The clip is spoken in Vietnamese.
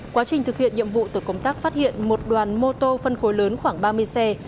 quá trình thực hiện nhiệm vụ tổ công tác phát hiện một đoàn mô tô phân khối lớn khoảng ba mươi xe